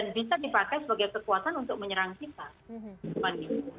bisa dipakai sebagai kekuatan untuk menyerang kita